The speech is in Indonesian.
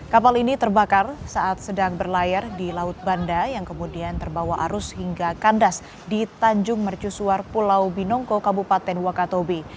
kapal ini terbakar saat sedang berlayar di laut banda yang kemudian terbawa arus hingga kandas di tanjung mercusuar pulau binongko kabupaten wakatobi